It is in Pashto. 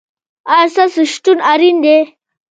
ایا ستاسو شتون اړین دی؟